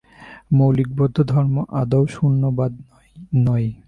মৌলিক বৌদ্ধধর্ম আদৌ শূন্যবাদ নয়।